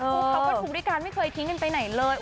เขาก็ทุกข์ด้วยกันไม่เคยทิ้งกันไปไหนเลย